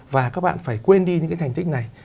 và các bạn phải quên đi những cái thành tích này